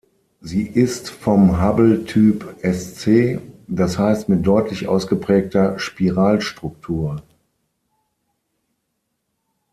Sie ist vom Hubble-Typ Sc, das heißt mit deutlich ausgeprägter Spiralstruktur.